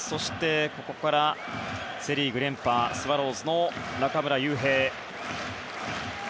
ここからセ・リーグ連覇のスワローズの中村悠平。